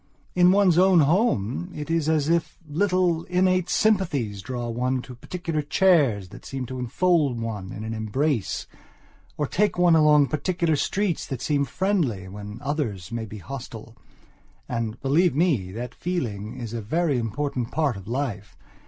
In one's own home it is as if little, innate sympathies draw one to particular chairs that seem to enfold one in an embrace, or take one along particular streets that seem friendly when others may be hostile. And, believe me, that feeling is a very important part of life.